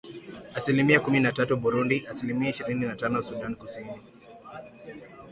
asilimia kumi na tatu Burundi asilimia ishirini na tano Sudan Kusini